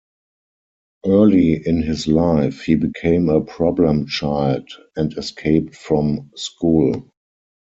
Early in his life, he became a problem child, and escaped from school.